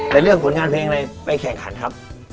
แต่เลือกผลงานเพลงอะไรไปแข่งขันครับ